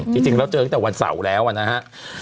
จริงแล้วเจอตั้งแต่วันเสาร์แล้วนะครับ